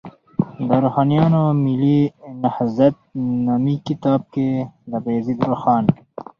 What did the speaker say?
د روښانیانو ملي نهضت نومي کتاب کې، د بایزید روښان